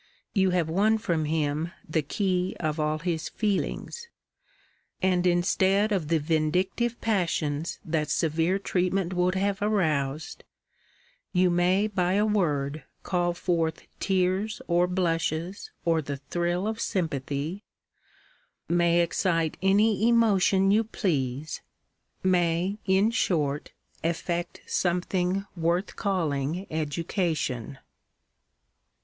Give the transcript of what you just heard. You ^y* have won from him the key tff all his feelings ; and, instead of the vindictive passions that severe treatment would have aroused, you may by a word call forth tears, or blushes, or the thrill of sympathy — may excite any emotion you please — may, in short, effect something worth calling education.